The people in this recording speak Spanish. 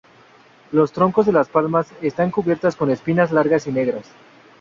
Los troncos de las palmas están cubiertas con espinas largas y negras.